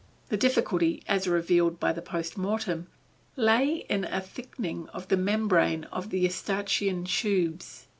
The difficulty as revealed by the post mortem, lay in a thickening of the membrane of the Eustachian tubes.